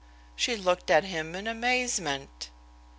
She looked at him in amazement.